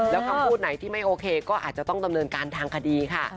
แล้วคำพูดไหนที่ไม่โอเคก็อาจจะต้องดำเนินการทางคดีค่ะ